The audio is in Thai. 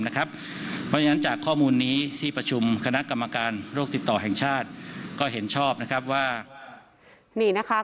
เพราะฉะนั้นจากข้อมูลที่ประชุมคณะกรรมการโรคติบต่อแห่งชาติก็เห็นชอบว่า